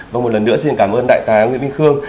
và một lần nữa xin cảm ơn đại tá nguyễn vinh khương